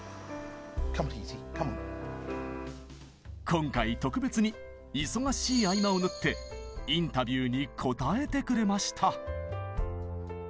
今回特別に忙しい合間を縫ってインタビューに答えてくれました。